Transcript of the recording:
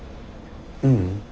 ううん。